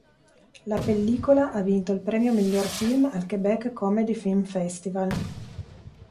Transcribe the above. La pellicola ha vinto il premio miglior film al Quebec Comedy Film Festival.